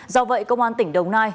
do vậy công an tỉnh đồng nai